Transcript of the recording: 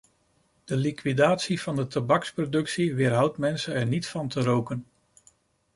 De liquidatie van de tabaksproductie weerhoudt mensen er niet van te roken.